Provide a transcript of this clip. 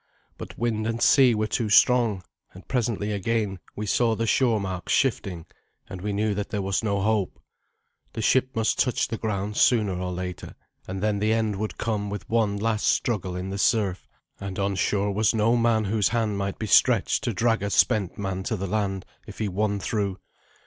But wind and sea were too strong, and presently again we saw the shore marks shifting, and we knew that there was no hope. The ship must touch the ground sooner or later, and then the end would come with one last struggle in the surf, and on shore was no man whose hand might be stretched to drag a spent man to the land, if he won through.